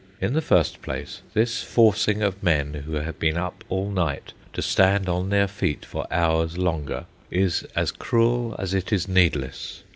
In the first place, this forcing of men who have been up all night to stand on their feet for hours longer, is as cruel as it is needless.